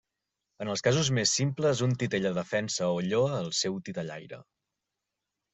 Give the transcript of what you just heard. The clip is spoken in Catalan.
En els casos més simples, un titella defensa o lloa al seu titellaire.